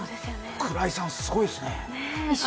鞍井さん、すごいですね。